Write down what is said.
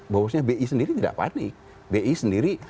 bahwasanya bi sendiri tidak panik bi sendiri